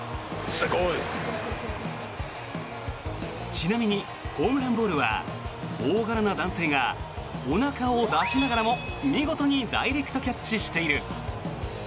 ちなみに、ホームランボールは大柄な男性がおなかを出しながらも見事にダイレクトキャッチしている。